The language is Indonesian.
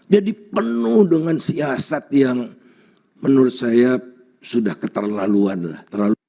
jadi penuh dengan siasat yang menurut saya sudah keterlaluan lah